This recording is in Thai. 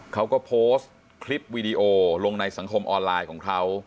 เขาก็โพสต์คลิปวีดีโอลงในสังคมออนไลน์ของเขา